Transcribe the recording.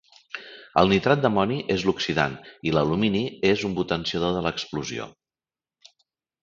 El nitrat d'amoni és l'oxidant i l'alumini és un potenciador de l'explosió.